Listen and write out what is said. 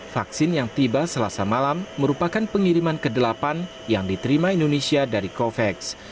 vaksin yang tiba selasa malam merupakan pengiriman ke delapan yang diterima indonesia dari covax